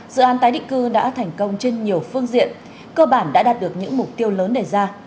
dự án tái định cư đã thành công trên nhiều phương diện cơ bản đã đạt được những mục tiêu lớn đề ra